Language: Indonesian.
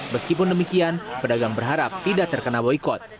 meskipun demikian pedagang berharap tidak terkena boykot